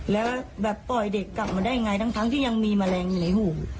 แล้วแบบปล่อยเด็กกลับมาได้ไงทั้งที่ยังมีแมลงอยู่ในหู